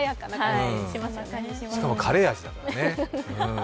しかもカレー味だもんね。